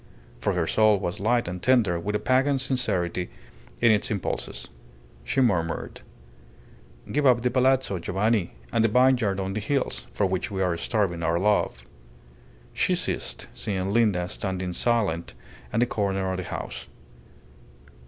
For her soul was light and tender with a pagan sincerity in its impulses. She murmured "Give up the palazzo, Giovanni, and the vineyard on the hills, for which we are starving our love." She ceased, seeing Linda standing silent at the corner of the house.